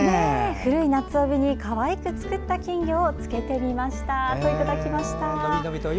古い夏帯にかわいく作った金魚をつけてみましたといただきました。